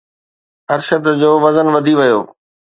ارشد جو وزن وڌي ويو